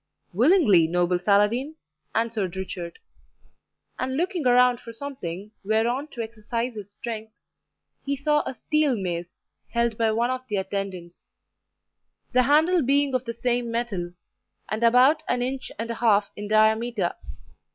"Willingly, noble Saladin," answered Richard; and looking around for something whereon to exercise his strength, he saw a steel mace, held by one of the attendants, the handle being of the same metal, and about an inch and a half in diameter.